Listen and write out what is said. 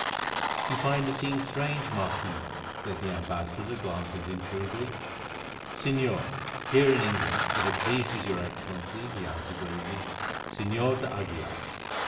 "You find the scene strange, Marquis," said the ambassador, glancing at him shrewdly. "Señor, here in England, if it pleases your Excellency," he answered gravely, "Señor d'Aguilar.